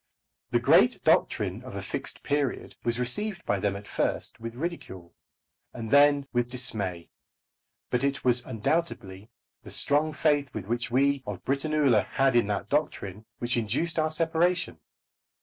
The great doctrine of a "Fixed Period" was received by them at first with ridicule, and then with dismay; but it was undoubtedly the strong faith which we of Britannula had in that doctrine which induced our separation.